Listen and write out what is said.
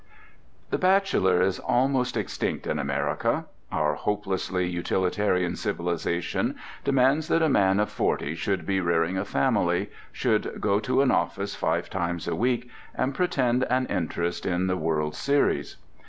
The bachelor is almost extinct in America. Our hopelessly utilitarian civilization demands that a man of forty should be rearing a family, should go to an office five times a week, and pretend an interest in the World's Series.